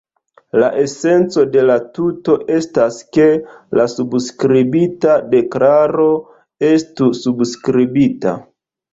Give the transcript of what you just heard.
La esenco de la tuto estas, ke la subskribita deklaro estu subskribita.